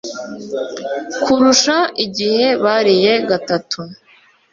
kurusha igihe bariye gatatu.